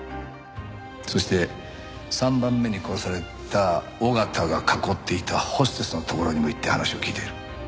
そして３番目に殺された緒方が囲っていたホステスのところにも行って話を聞いている。